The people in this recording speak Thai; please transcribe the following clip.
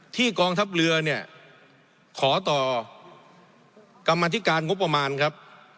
กองทัพเรือเนี่ยขอต่อกรรมธิการงบประมาณครับ